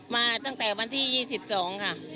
มาตั้งแต่วันที่๒๒ค่ะ